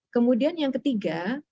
kemudian yang ketiga